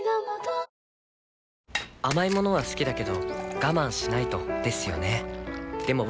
甘い物は好きだけど我慢しないとですよね